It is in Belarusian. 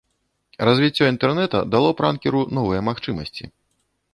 Развіццё інтэрнэта дало пранкеру новыя магчымасці.